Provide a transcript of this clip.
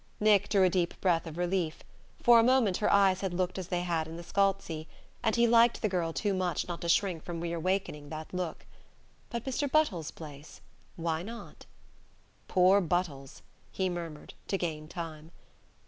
Nick drew a deep breath of relief. For a moment her eyes had looked as they had in the Scalzi and he liked the girl too much not to shrink from reawakening that look. But Mr. Buttles's place: why not? "Poor Buttles!" he murmured, to gain time.